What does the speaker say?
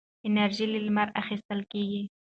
انرژي له لمره اخېستل کېږي.